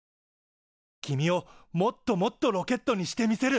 君をもっともっとロケットにしてみせる！